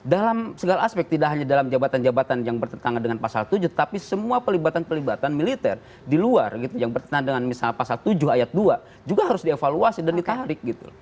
dalam segala aspek tidak hanya dalam jabatan jabatan yang bertentangan dengan pasal tujuh tapi semua pelibatan pelibatan militer di luar gitu yang bertentangan dengan misalnya pasal tujuh ayat dua juga harus dievaluasi dan ditarik gitu